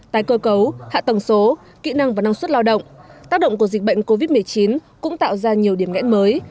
tài cơ cấu hạ tầng số kỹ năng và năng suất lao động tác động của dịch bệnh covid một mươi chín cũng tạo ra nhiều điểm nghẽn mới